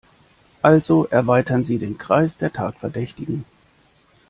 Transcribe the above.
Also erweiterten sie den Kreis der Tatverdächtigen.